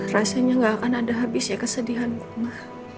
rasanya gak akan ada habisnya kesedihan ku ma